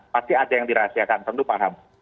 pasti ada yang dirahasiakan tentu paham